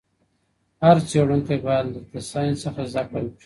هر څېړونکی باید له ساینس څخه زده کړه وکړي.